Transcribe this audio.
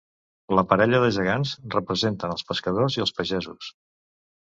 La parella de gegants representen els pescadors i els pagesos.